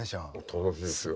楽しいですよ。